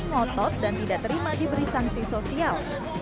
ngotot dan tidak terima diberi sanksi sosial